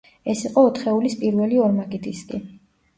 ეს იყო ოთხეულის პირველი ორმაგი დისკი.